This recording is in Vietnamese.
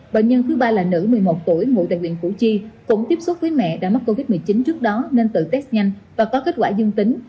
bệnh nhân thứ ba là nữ một mươi một tuổi ngụ tại huyện củ chi cũng tiếp xúc với mẹ đã mắc covid một mươi chín trước đó nên tự test nhanh và có kết quả dương tính